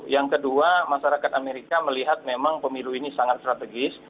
yang kedua masyarakat amerika melihat memang pemilu ini sangat strategis